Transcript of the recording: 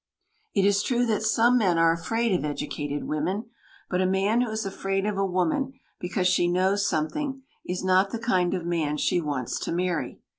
It is true that some men are afraid of educated women, but a man who is afraid of a woman because she knows something is not the kind of a man she wants to marry.